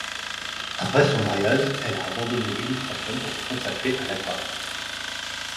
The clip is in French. Après son mariage, elle a abandonné l'illustration pour se consacrer à l'aquarelle.